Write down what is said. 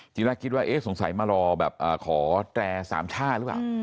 จริงจากนั้นคิดว่าเอ๊ะสงสัยมารอแบบอ่าขอแตรสามชาติหรือเปล่า